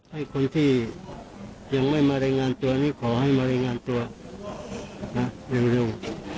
ให้คนที่ยังไม่มารายงานตัวนี้ขอให้มารายงานตัวเร็ว